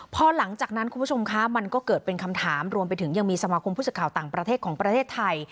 พอหลังจากนั้นคุณผู้ชมคะมันก็เกิดเป็นคำถามรวมไปถึงยังมีสมาคมผู้สื่อข่าวต่างประเทศของประเทศไทย